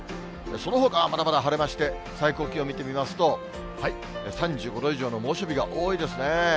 そのほかはまだまだ晴れまして、最高気温見てみますと、３５度以上の猛暑日が多いですね。